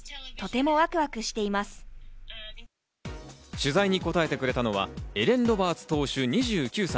取材に答えてくれたのはエレン・ロバーツ投手、２９歳。